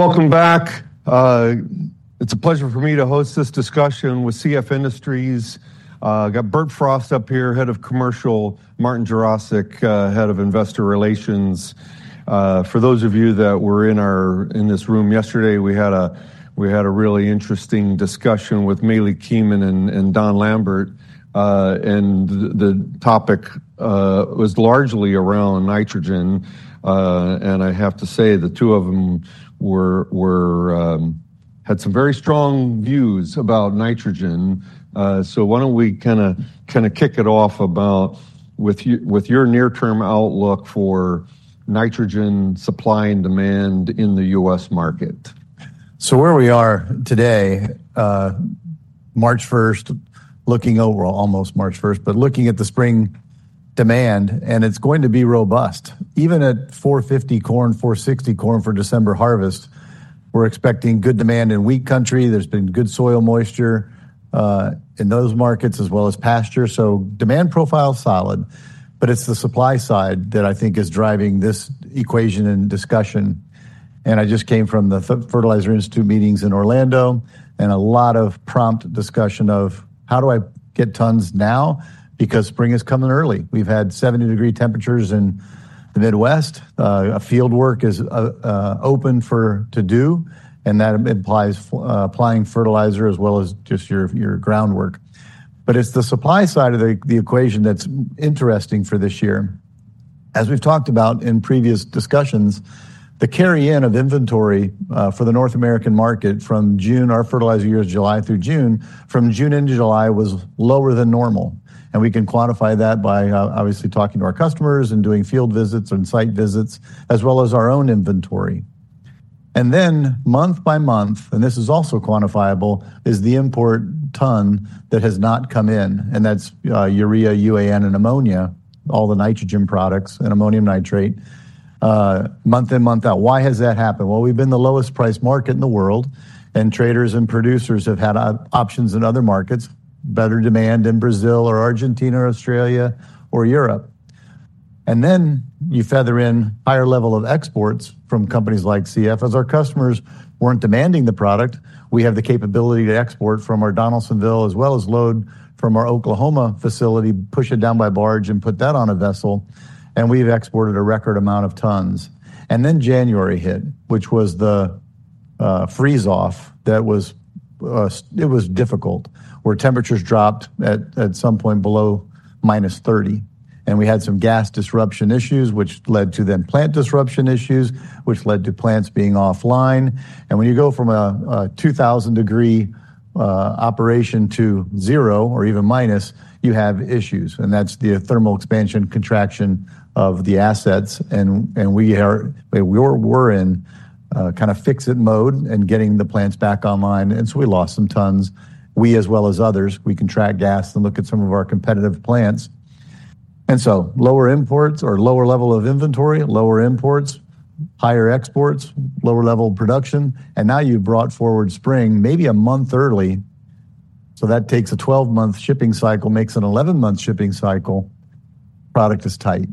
Welcome back. It's a pleasure for me to host this discussion with CF Industries. I've got Bert Frost up here, Head of Commercial, Martin Jarosick, Head of Investor Relations. For those of you that were in our- in this room yesterday, we had a really interesting discussion with Melih Keyman and Dan Lambert. And the topic was largely around nitrogen. And I have to say, the two of them had some very strong views about nitrogen. So why don't we kinda kick it off with your near-term outlook for nitrogen supply and demand in the U.S. market? So where we are today, almost March 1st, but looking at the spring demand, and it's going to be robust. Even at $4.50 corn, $4.60 corn for December harvest, we're expecting good demand in wheat country. There's been good soil moisture in those markets as well as pasture, so demand profile, solid. But it's the supply side that I think is driving this equation and discussion. And I just came from the Fertilizer Institute meetings in Orlando, and a lot of prompt discussion of: how do I get tons now? Because spring is coming early. We've had 70-degree temperatures in the Midwest. Field work is open to do, and that implies applying fertilizer as well as just your groundwork. But it's the supply side of the equation that's interesting for this year. As we've talked about in previous discussions, the carry-in of inventory for the North American market from June, our fertilizer year is July through June, from June into July was lower than normal. We can quantify that by obviously talking to our customers and doing field visits and site visits, as well as our own inventory. Then month by month, and this is also quantifiable, is the import ton that has not come in, and that's urea, UAN, and ammonia, all the nitrogen products and ammonium nitrate, month in, month out. Why has that happened? Well, we've been the lowest priced market in the world, and traders and producers have had options in other markets, better demand in Brazil or Argentina or Australia or Europe. Then you feather in higher level of exports from companies like CF. As our customers weren't demanding the product, we have the capability to export from our Donaldsonville, as well as load from our Oklahoma facility, push it down by barge and put that on a vessel, and we've exported a record amount of tons. Then January hit, which was the freeze-off. That was it was difficult, where temperatures dropped at some point below -30, and we had some gas disruption issues, which led to then plant disruption issues, which led to plants being offline. And when you go from a 2,000-degree operation to zero or even minus, you have issues, and that's the thermal expansion, contraction of the assets. And we were in kinda fix-it mode and getting the plants back online, and so we lost some tons. We, as well as others, we can track gas and look at some of our competitive plants. Lower imports or lower level of inventory, lower imports, higher exports, lower level production, and now you've brought forward spring maybe a month early. So that takes a 12-month shipping cycle, makes an 11-month shipping cycle. Product is tight.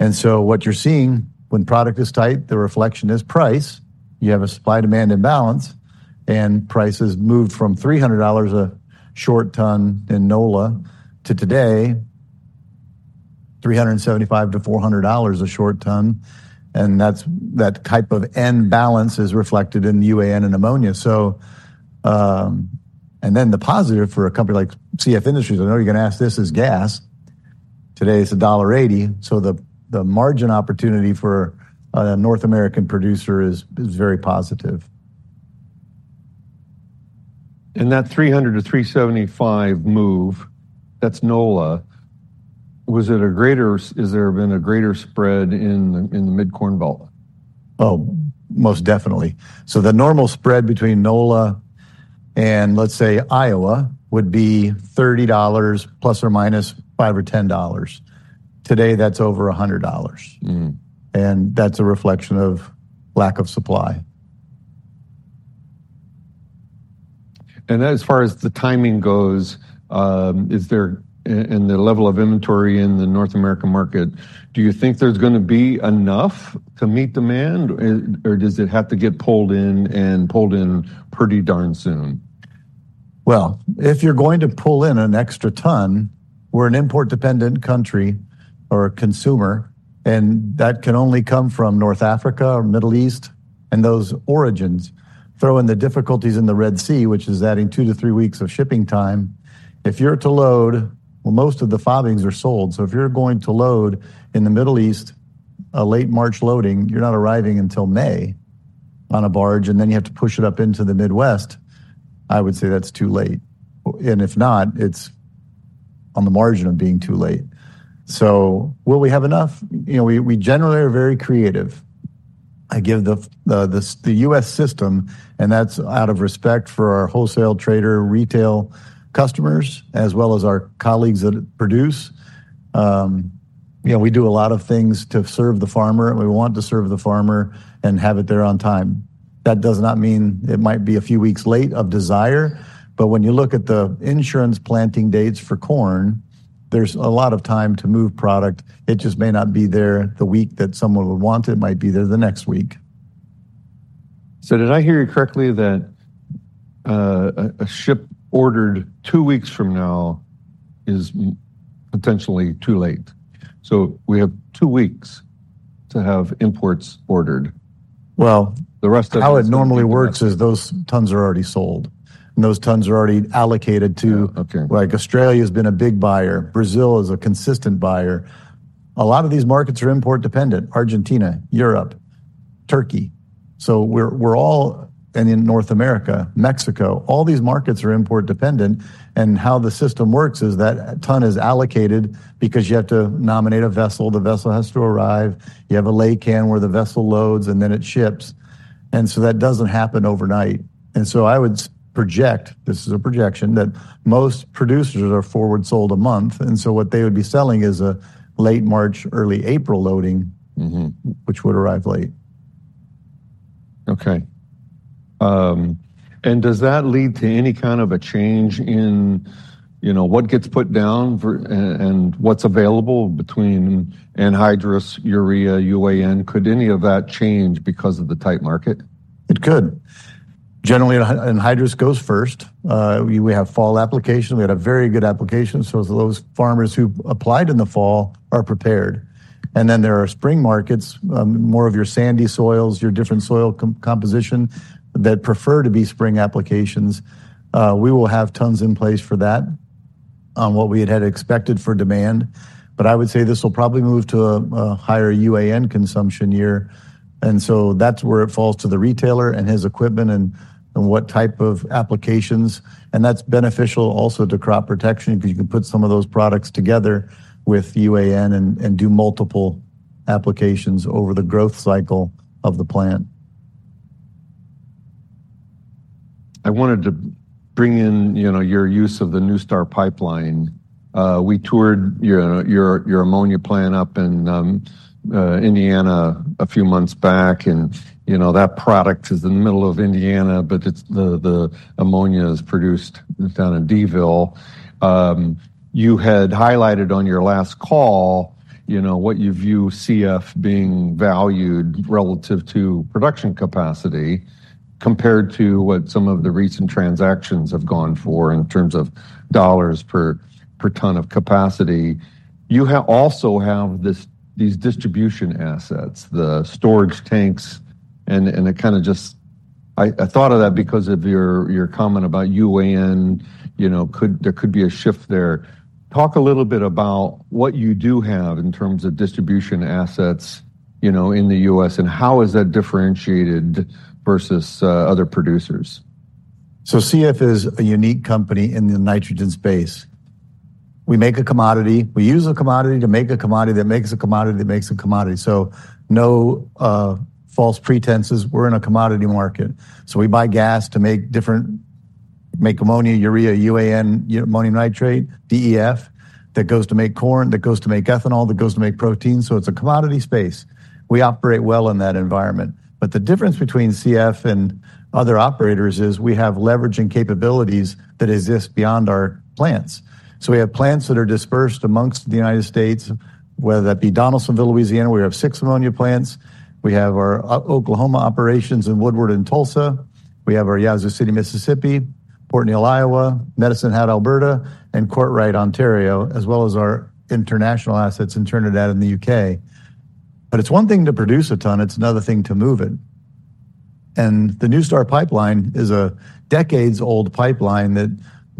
What you're seeing when product is tight, the reflection is price. You have a supply-demand imbalance, and prices moved from $300 a short ton in NOLA to today, $375-$400 a short ton, and that's that type of imbalance is reflected in the UAN and ammonia. So, and then the positive for a company like CF Industries, I know you're Managing Director in Chemicals Equity Research. Today, it's $1.80, so the margin opportunity for a North American producer is very positive. That $300-$375 move, that's NOLA. Is there been a greater spread in the Mid-Corn Belt? Oh, most definitely. So the normal spread between NOLA and, let's say, Iowa, would be $30 ±$5 or $10. Today, that's over $100. Mm-hmm. That's a reflection of lack of supply. And as far as the timing goes, and the level of inventory in the North American market, do you think there's gonna be enough to meet demand, or does it have to get pulled in and pulled in pretty darn soon? Well, if you're going to pull in an extra ton, we're an import-dependent country or a consumer, and that can only come from North Africa or Middle East, and those origins throw in the difficulties in the Red Sea, which is adding 2-3 weeks of shipping time. If you're to load... Well, most of the FOBs are sold, so if you're going to load in the Middle East, a late March loading, you're not arriving until May on a barge, and then you have to push it up into the Midwest. I would say that's too late, and if not, it's on the margin of being too late. So will we have enough? You know, we generally are very creative. I give the U.S. system, and that's out of respect for our wholesale trader, retail customers, as well as our colleagues that produce. You know, we do a lot of things to serve the farmer. We want to serve the farmer and have it there on time. That does not mean it might be a few weeks late of desire, but when you look at the insurance planting dates for corn... There's a lot of time to move product. It just may not be there the week that someone would want it. It might be there the next week. So did I hear you correctly, that a ship ordered two weeks from now is potentially too late? So we have two weeks to have imports ordered. Well- The rest of it- How it normally works is those tons are already sold, and those tons are already allocated to- Oh, okay. Like, Australia's been a big buyer. Brazil is a consistent buyer. A lot of these markets are import-dependent: Argentina, Europe, Turkey. So we're, we're all- and in North America, Mexico. All these markets are import-dependent, and how the system works is that a ton is allocated because you have to nominate a vessel. The vessel has to arrive. You have a laycan where the vessel loads, and then it ships, and so that doesn't happen overnight. And so I would project, this is a projection, that most producers are forward sold a month, and so what they would be selling is a late March, early April loading- Mm-hmm. which would arrive late. Okay. And does that lead to any kind of a change in, you know, what gets put down for, and what's available between anhydrous, urea, UAN? Could any of that change because of the tight market? It could. Generally, anhydrous goes first. We have fall application. We had a very good application, so those farmers who applied in the fall are prepared. And then there are spring markets, more of your sandy soils, your different soil composition, that prefer to be spring applications. We will have tons in place for that on what we expected for demand. But I would say this will probably move to a higher UAN consumption year, and so that's where it falls to the retailer and his equipment and what type of applications, and that's beneficial also to crop protection because you can put some of those products together with UAN and do multiple applications over the growth cycle of the plant. I wanted to bring in, you know, your use of the NuStar pipeline. We toured your ammonia plant up in Indiana a few months back, and, you know, that product is in the middle of Indiana, but the ammonia is produced down in Donaldsonville. You had highlighted on your last call, you know, what you view CF being valued relative to production capacity compared to what some of the recent transactions have gone for in terms of dollars per ton of capacity. You also have these distribution assets, the storage tanks, and it kind of just... I thought of that because of your comment about UAN. You know, there could be a shift there. Talk a little bit about what you do have in terms of distribution assets, you know, in the U.S., and how is that differentiated versus other producers? So CF is a unique company in the nitrogen space. We make a commodity. We use a commodity to make a commodity that makes a commodity that makes a commodity. So no, false pretenses, we're in a commodity market. So we buy gas to make ammonia, urea, UAN, ammonium nitrate, DEF, that goes to make corn, that goes to make ethanol, that goes to make protein, so it's a commodity space. We operate well in that environment. But the difference between CF and other operators is we have leveraging capabilities that exist beyond our plants. So we have plants that are dispersed amongst the United States, whether that be Donaldsonville, Louisiana, where we have six ammonia plants. We have our Oklahoma operations in Woodward and Tulsa. We have our Yazoo City, Mississippi, Port Neal, Iowa, Medicine Hat, Alberta, and Courtright, Ontario, as well as our international assets in Trinidad and the UK. But it's one thing to produce a ton, it's another thing to move it, and the NuStar pipeline is a decades-old pipeline that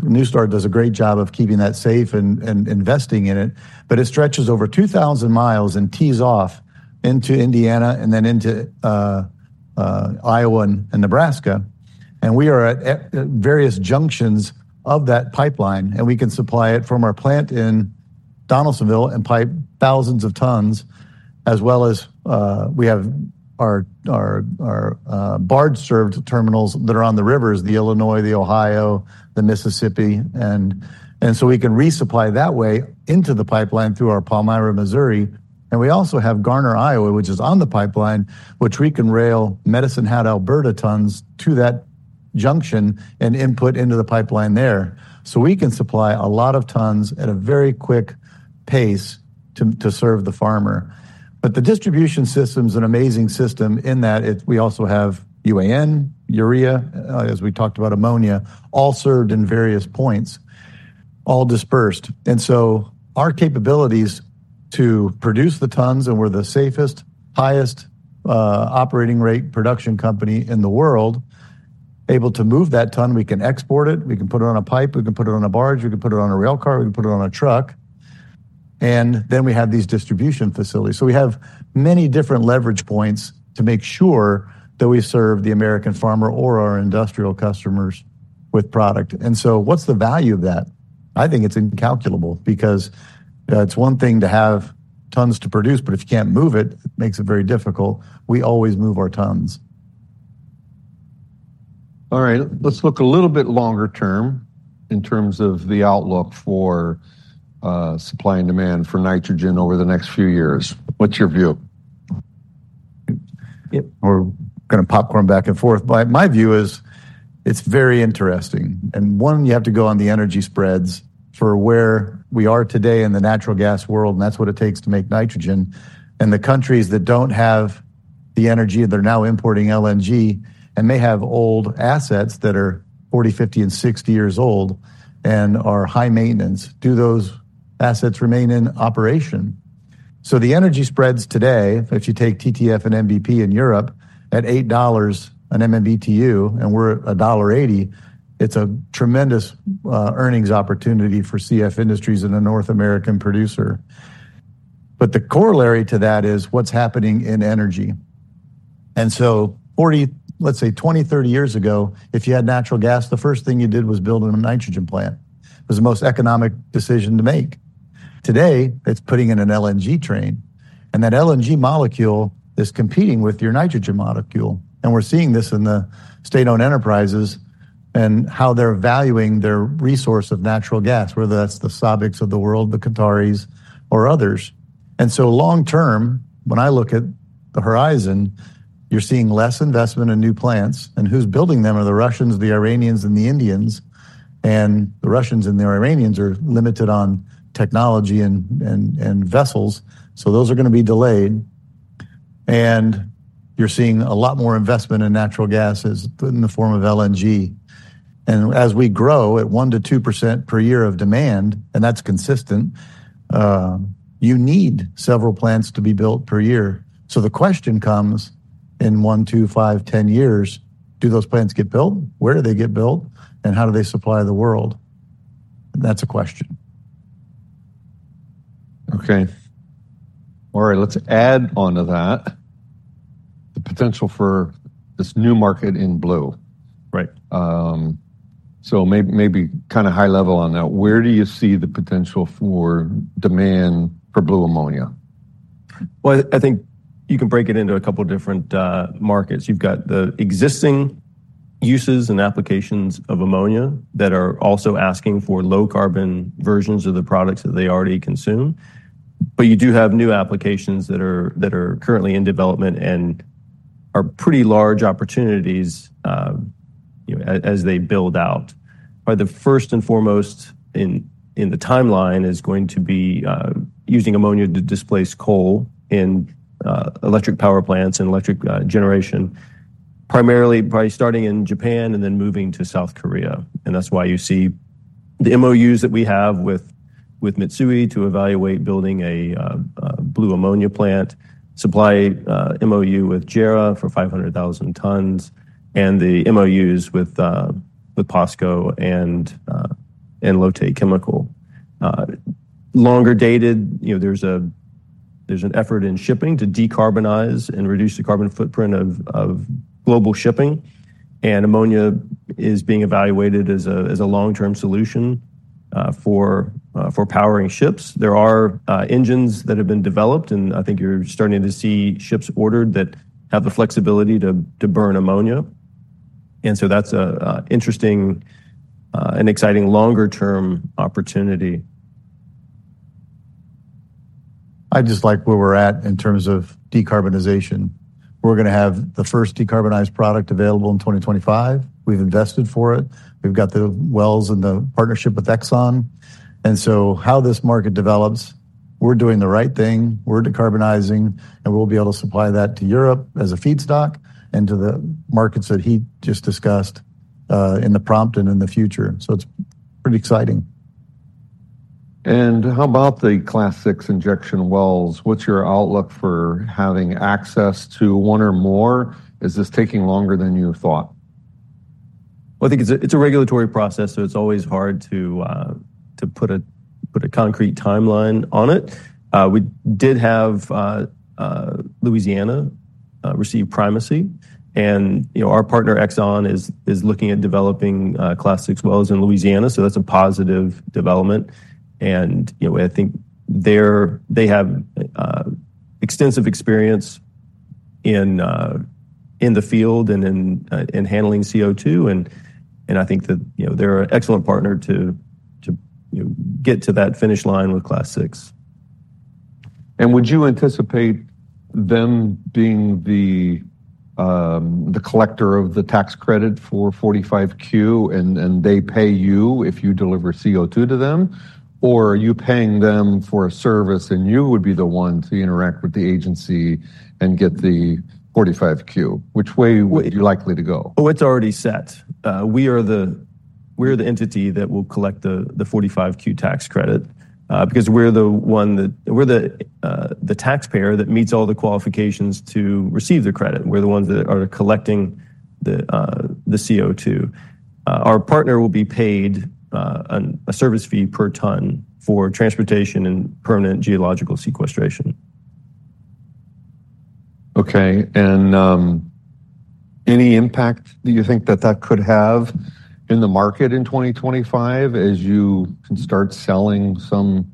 NuStar does a great job of keeping that safe and investing in it, but it stretches over 2,000 miles and tees off into Indiana and then into Iowa and Nebraska. And we are at various junctions of that pipeline, and we can supply it from our plant in Donaldsonville and pipe thousands of tons, as well as we have our barge-served terminals that are on the rivers: the Illinois, the Ohio, the Mississippi. So we can resupply that way into the pipeline through our Palmyra, Missouri, and we also have Garner, Iowa, which is on the pipeline, which we can rail Medicine Hat, Alberta tons to that junction and input into the pipeline there. So we can supply a lot of tons at a very quick pace to serve the farmer. But the distribution system's an amazing system in that it—we also have UAN, urea, as we talked about, ammonia, all served in various points, all dispersed. And so our capabilities to produce the tons, and we're the safest, highest operating rate production company in the world, able to move that ton. We can export it. We can put it on a pipe. We can put it on a barge. We can put it on a rail car. We can put it on a truck. And then we have these distribution facilities. So we have many different leverage points to make sure that we serve the American farmer or our industrial customers with product. And so what's the value of that? I think it's incalculable because, it's one thing to have tons to produce, but if you can't move it, it makes it very difficult. We always move our tons. All right, let's look a little bit longer term in terms of the outlook for supply and demand for nitrogen over the next few years. What's your view?... we're gonna popcorn back and forth. But my view is, it's very interesting, and one, you have to go on the energy spreads for where we are today in the natural gas world, and that's what it takes to make nitrogen. And the countries that don't have the energy, they're now importing LNG, and they have old assets that are 40, 50, and 60 years old and are high maintenance. Do those assets remain in operation? So the energy spreads today, if you take TTF and NBP in Europe at $8/MMBtu, and we're at $1.80, it's a tremendous earnings opportunity for CF Industries and a North American producer. But the corollary to that is what's happening in energy. And so 40, let's say 20, 30 years ago, if you had natural gas, the first thing you did was build a nitrogen plant. It was the most economic decision to make. Today, it's putting in an LNG train, and that LNG molecule is competing with your nitrogen molecule, and we're seeing this in the state-owned enterprises and how they're valuing their resource of natural gas, whether that's the SABIC of the world, the Qataris or others. So long term, when I look at the horizon, you're seeing less investment in new plants, and who's building them are the Russians, the Iranians, and the Indians. The Russians and the Iranians are limited on technology and vessels, so those are gonna be delayed. You're seeing a lot more investment in natural gas in the form of LNG. As we grow at 1%-2% per year of demand, and that's consistent, you need several plants to be built per year. So the question comes in one, two, five, 10 years, do those plants get built? Where do they get built, and how do they supply the world? That's a question. Okay. All right, let's add onto that the potential for this new market in blue. Right. So maybe kinda high level on that, where do you see the potential for demand for blue ammonia? Well, I think you can break it into a couple different markets. You've got the existing uses and applications of ammonia that are also asking for low-carbon versions of the products that they already consume. But you do have new applications that are currently in development and are pretty large opportunities, as they build out. But the first and foremost in the timeline is going to be using ammonia to displace coal in electric power plants and electric generation, primarily by starting in Japan and then moving to South Korea, and that's why you see the MOUs that we have with Mitsui to evaluate building a blue ammonia plant, supply MOU with JERA for 500,000 tons, and the MOUs with POSCO and Lotte Chemical. Longer dated, you know, there's an effort in shipping to decarbonize and reduce the carbon footprint of global shipping, and ammonia is being evaluated as a long-term solution for powering ships. There are engines that have been developed, and I think you're starting to see ships ordered that have the flexibility to burn ammonia, and so that's an interesting and exciting longer-term opportunity. I just like where we're at in terms of decarbonization. We're gonna have the first decarbonized product available in 2025. We've invested for it. We've got the wells and the partnership with Exxon. And so how this market develops, we're doing the right thing, we're decarbonizing, and we'll be able to supply that to Europe as a feedstock and to the markets that he just discussed in the prompt and in the future. So it's pretty exciting. How about the Class VI injection Wells? What's your outlook for having access to one or more? Is this taking longer than you thought? Well, I think it's a regulatory process, so it's always hard to put a concrete timeline on it. We did have Louisiana receive primacy, and, you know, our partner, Exxon, is looking at developing Class VI wells in Louisiana, so that's a positive development. And, you know, I think they have extensive experience in the field and in handling CO2, and I think that, you know, they're an excellent partner to get to that finish line with Class VI. Would you anticipate them being the collector of the tax credit for 45Q, and they pay you if you deliver CO2 to them? Or are you paying them for a service, and you would be the one to interact with the agency and get the 45Q? Which way are you likely to go? Oh, it's already set. We are the, we are the entity that will collect the, the 45Q tax credit, because we're the one that... We're the, the taxpayer that meets all the qualifications to receive the credit. We're the ones that are collecting the, the CO2. Our partner will be paid, an, a service fee per ton for transportation and permanent geological sequestration. Okay, and any impact do you think that that could have in the market in 2025 as you can start selling some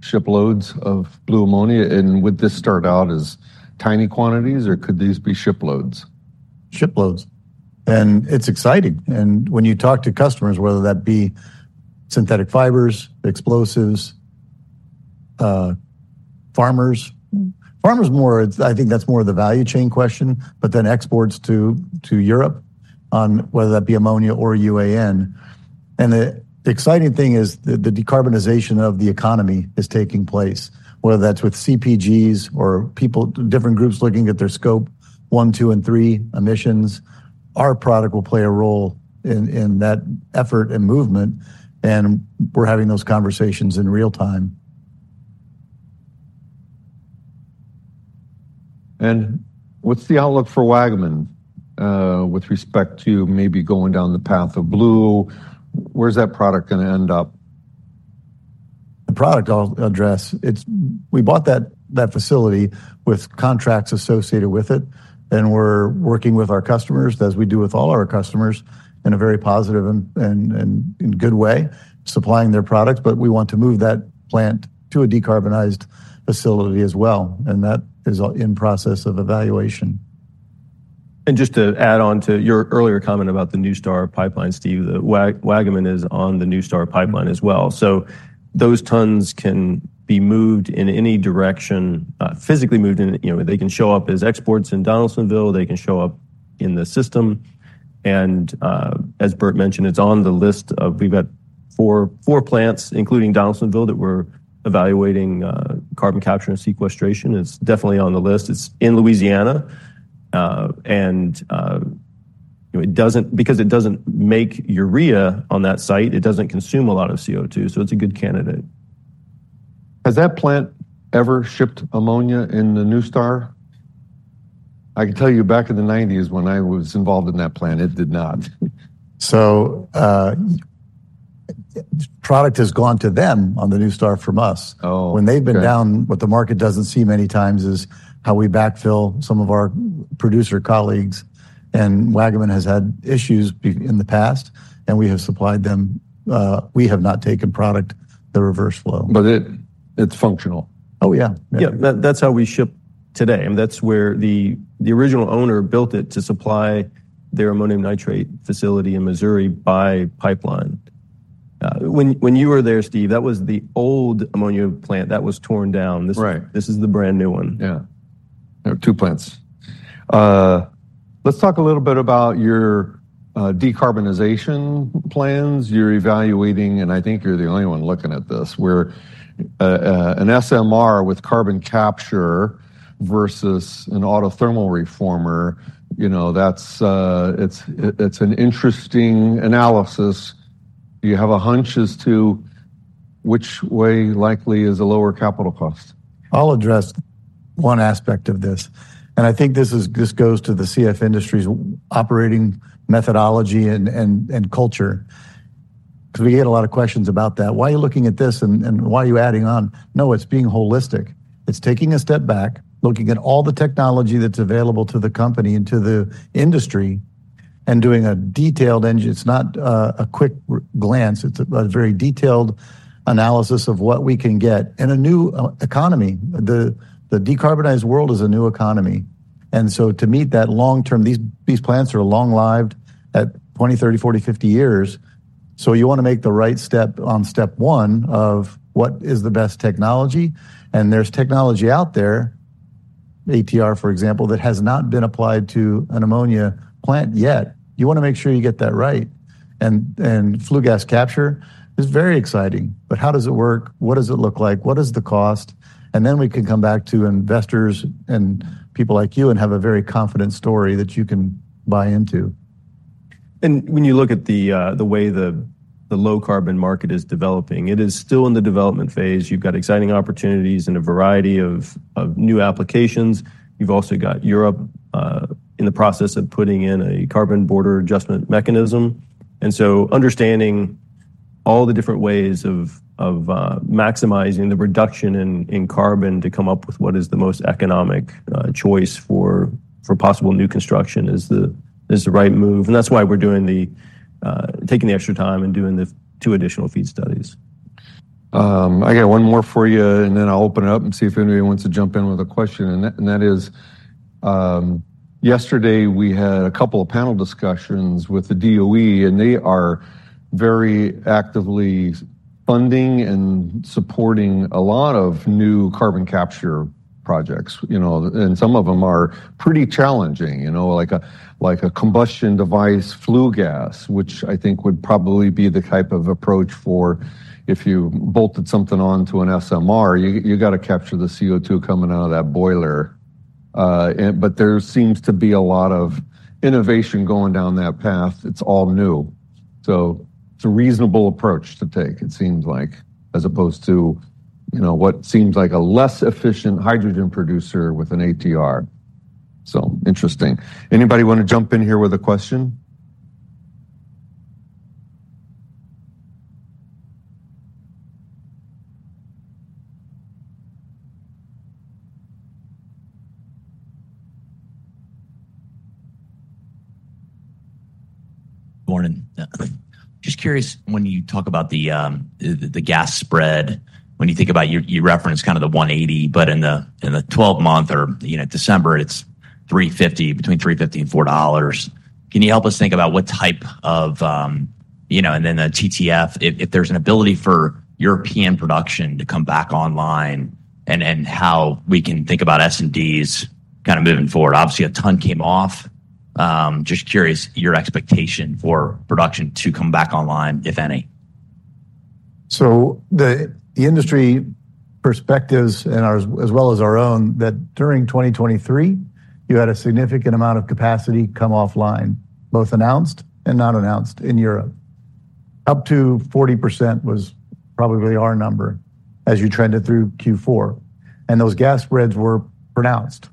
shiploads of blue ammonia, and would this start out as tiny quantities, or could these be shiploads? Shiploads, and it's exciting, and when you talk to customers, whether that be synthetic fibers, explosives, farmers. Farmers more, I think that's more of the value chain question, but then exports to, to Europe on whether that be ammonia or UAN. And the, the exciting thing is the, the decarbonization of the economy is taking place, whether that's with CPGs or people, different groups looking at their Scope 1, 2, and 3 emissions. Our product will play a role in, in that effort and movement, and we're having those conversations in real time. What's the outlook for Waggaman, with respect to maybe going down the path of blue? Where's that product gonna end up? The product I'll address. It's we bought that facility with contracts associated with it, and we're working with our customers, as we do with all our customers, in a very positive and in good way, supplying their products. But we want to move that plant to a decarbonized facility as well, and that is in process of evaluation. And just to add on to your earlier comment about the NuStar pipeline, Steve, the Waggaman is on the NuStar pipeline as well. So those tons can be moved in any direction, physically moved in. You know, they can show up as exports in Donaldsonville, they can show up in the system, and, as Bert mentioned, it's on the list of... We've got four plants, including Donaldsonville, that we're evaluating carbon capture and sequestration. It's definitely on the list. It's in Louisiana, and it doesn't—because it doesn't make urea on that site, it doesn't consume a lot of CO₂, so it's a good candidate. Has that plant ever shipped ammonia in the NuStar? I can tell you, back in the nineties, when I was involved in that plant, it did not. Product has gone to them on the NuStar from us. Oh, okay. When they've been down, what the market doesn't see many times is how we backfill some of our producer colleagues, and Waggaman has had issues in the past, and we have supplied them. We have not taken product, the reverse flow. But it's functional? Oh, yeah. Yeah. That's how we ship today, and that's where the original owner built it to supply their ammonium nitrate facility in Missouri by pipeline. When you were there, Steve, that was the old ammonia plant that was torn down. Right. This is the brand-new one. Yeah. There are two plants. Let's talk a little bit about your decarbonization plans. You're evaluating, and I think you're the only one looking at this, where an SMR with carbon capture versus an autothermal reformer, you know, that's, it's an interesting analysis. Do you have a hunch as to which way likely is a lower capital cost? I'll address one aspect of this, and I think this is—this goes to the CF Industries operating methodology and culture, because we get a lot of questions about that. "Why are you looking at this, and why are you adding on?" No, it's being holistic. It's taking a step back, looking at all the technology that's available to the company and to the industry, and doing a detailed engineering. It's not a quick glance. It's a very detailed analysis of what we can get in a new economy. The decarbonized world is a new economy. And so to meet that long term, these plants are long-lived at 20, 30, 40, 50 years. So you wanna make the right step on step one of what is the best technology. There's technology out there, ATR, for example, that has not been applied to an ammonia plant yet. You wanna make sure you get that right. And flue gas capture is very exciting, but how does it work? What does it look like? What is the cost? And then we can come back to investors and people like you and have a very confident story that you can buy into. When you look at the way the low-carbon market is developing, it is still in the development phase. You've got exciting opportunities and a variety of new applications. You've also got Europe in the process of putting in a Carbon Border Adjustment Mechanism. So understanding all the different ways of maximizing the reduction in carbon to come up with what is the most economic choice for possible new construction is the right move. That's why we're taking the extra time and doing the two additional FEED studies. I got one more for you, and then I'll open it up and see if anybody wants to jump in with a question. And that is, yesterday, we had a couple of panel discussions with the DOE, and they are very actively funding and supporting a lot of new carbon capture projects, you know. And some of them are pretty challenging, you know, like a combustion device, flue gas, which I think would probably be the type of approach for if you bolted something on to an SMR, you got to capture the CO₂ coming out of that boiler. But there seems to be a lot of innovation going down that path. It's all new. So it's a reasonable approach to take, it seems like, as opposed to, you know, what seems like a less efficient hydrogen producer with an ATR. So interesting. Anybody want to jump in here with a question? Morning. Just curious, when you talk about the gas spread, when you think about your, you reference kind of the $1.80, but in the 12-month or, you know, December, it's $3.50, between $3.50 and $4. Can you help us think about what type of-... you know, and then the TTF, if there's an ability for European production to come back online and how we can think about S&Ds kind of moving forward. Obviously, a ton came off. Just curious your expectation for production to come back online, if any? So the industry perspectives and ours, as well as our own, that during 2023, you had a significant amount of capacity come offline, both announced and not announced in Europe. Up to 40% was probably our number as you trend it through Q4, and those gas spreads were pronounced.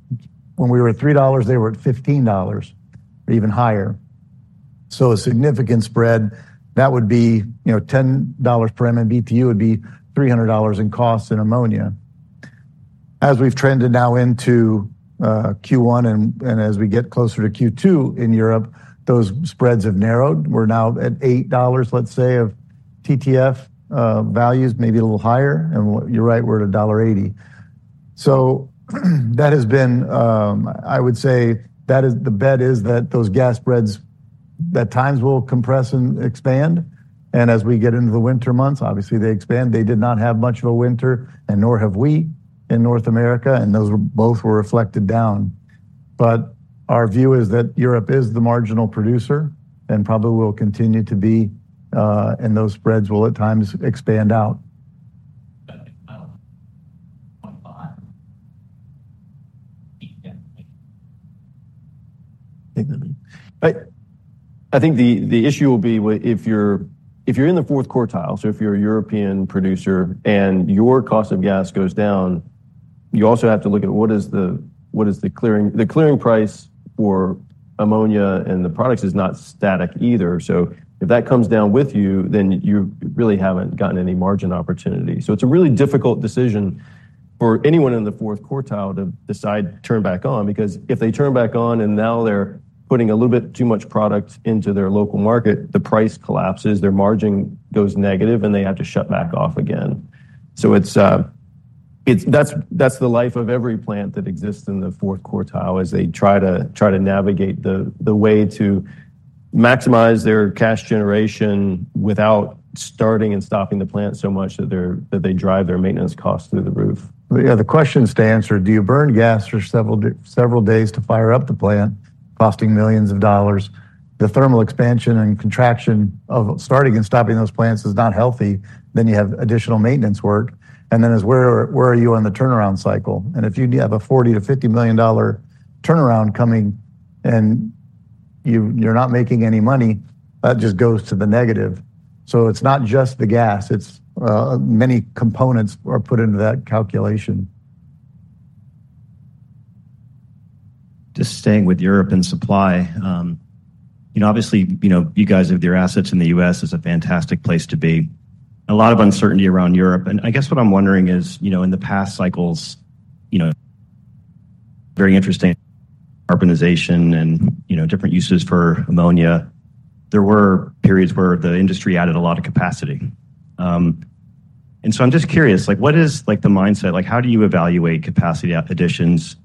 When we were at $3, they were at $15 or even higher. So a significant spread, that would be, you know, $10 per MMBtu would be $300 in cost in ammonia. As we've trended now into Q1 and as we get closer to Q2 in Europe, those spreads have narrowed. We're now at $8, let's say, of TTF values, maybe a little higher, and you're right, we're at $1.80. So, that has been... I would say that is the bet is that those gas spreads at times will compress and expand, and as we get into the winter months, obviously they expand. They did not have much of a winter, and nor have we in North America, and those were both reflected down. But our view is that Europe is the marginal producer and probably will continue to be, and those spreads will at times expand out. I think the issue will be if you're in the fourth quartile, so if you're a European producer and your cost of gas goes down, you also have to look at what the clearing price for ammonia and the products is not static either. So if that comes down with you, then you really haven't gotten any margin opportunity. So it's a really difficult decision for anyone in the fourth quartile to decide to turn back on, because if they turn back on and now they're putting a little bit too much product into their local market, the price collapses, their margin goes negative, and they have to shut back off again. So it's—that's the life of every plant that exists in the fourth quartile, is they try to navigate the way to maximize their cash generation without starting and stopping the plant so much that they drive their maintenance costs through the roof. Yeah, the question is to answer, do you burn gas for several days to fire up the plant, costing millions of dollars? The thermal expansion and contraction of starting and stopping those plants is not healthy. Then you have additional maintenance work. And then is where, where are you on the turnaround cycle? And if you have a $40 million-$50 million dollar turnaround coming and you, you're not making any money, that just goes to the negative. So it's not just the gas, it's many components are put into that calculation. Just staying with Europe and supply, you know, obviously, you know, you guys have your assets in the U.S. It's a fantastic place to be. A lot of uncertainty around Europe. And I guess what I'm wondering is, you know, in the past cycles, you know, very interesting carbonization and, you know, different uses for ammonia. There were periods where the industry added a lot of capacity. And so I'm just curious, like, what is, like, the mindset? Like, how do you evaluate capacity additions?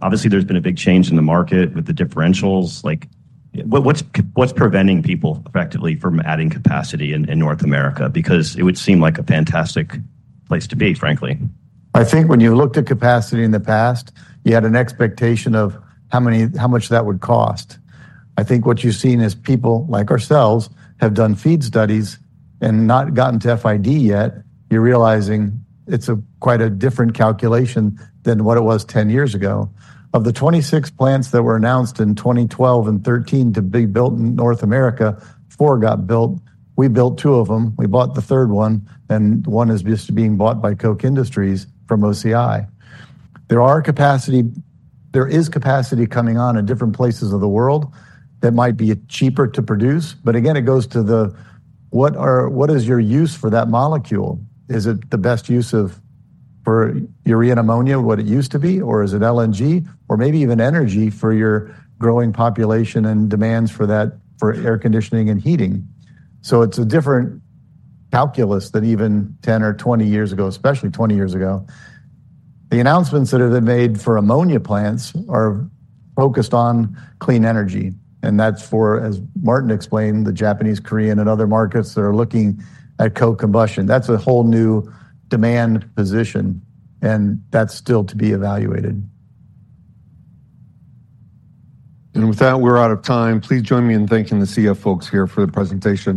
Obviously, there's been a big change in the market with the differentials. Like, what, what's, what's preventing people effectively from adding capacity in, in North America? Because it would seem like a fantastic place to be, frankly. I think when you looked at capacity in the past, you had an expectation of how much that would cost. I think what you've seen is people like ourselves have done FEED studies and not gotten to FID yet. You're realizing it's quite a different calculation than what it was 10 years ago. Of the 26 plants that were announced in 2012 and 2013 to be built in North America, four got built. We built two of them, we bought the third one, and one is just being bought by Koch Industries from OCI. There is capacity coming on in different places of the world that might be cheaper to produce, but again, it goes to what is your use for that molecule? Is it the best use of for urea and ammonia, what it used to be, or is it LNG or maybe even energy for your growing population and demands for that for air conditioning and heating? It's a different calculus than even 10 or 20 years ago, especially 20 years ago. The announcements that have been made for ammonia plants are focused on clean energy, and that's for, as Martin explained, the Japanese, Korean, and other markets that are looking at co-combustion. That's a whole new demand position, and that's still to be evaluated. With that, we're out of time. Please join me in thanking the CF folks here for the presentation.